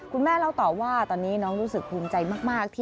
เล่าต่อว่าตอนนี้น้องรู้สึกภูมิใจมาก